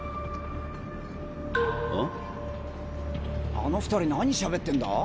あの二人何しゃべってんだ？